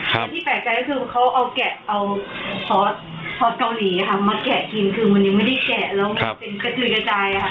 ครับที่แปลกใจก็คือเขาเอาแกะเอาฟอร์ตฟอร์ตเกาหลีค่ะมาแกะกินคือวันนี้ไม่ได้แกะแล้วมันเป็นกระทืนกระจายค่ะ